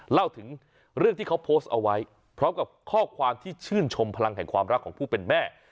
เล่าถึงเรื่องที่เขาโพสต์เอาไว้พร้อมกับข้อความที่ชื่นชมพลังแห่งความรักของผู้เป็นแม่